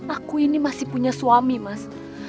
aku ini masih punya suami mas